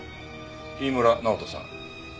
飯村直人さん